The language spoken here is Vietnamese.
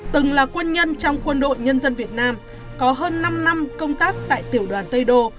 từng là quân nhân trong quân đội nhân dân việt nam có hơn năm năm công tác tại tiểu đoàn tây đô